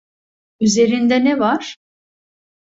Üzerinde ne var?